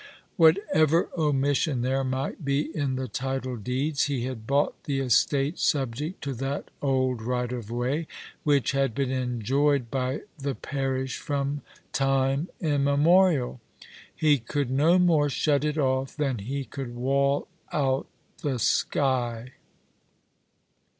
"Whatever omission there might be in the title deeds, he had bought the estate subject to that old right of way, which had been enjoyed by the parish from time immemorial. He could no more shut it off than he could wall out the sky.